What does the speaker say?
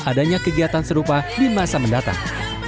adanya kegiatan serupa di masa mendatang